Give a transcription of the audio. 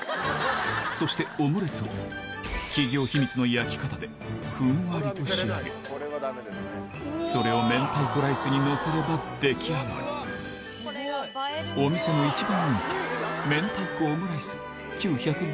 そしてオムレツは企業秘密の焼き方でふんわりと仕上げそれを明太子ライスにのせれば出来上がりお店の一番人気うまそう！